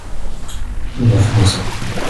neuf maisons.